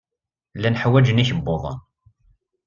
Llan ḥwajen ikebbuḍen.